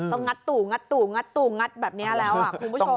ต้องงัดตู่แบบนี้แล้วคุณผู้ชม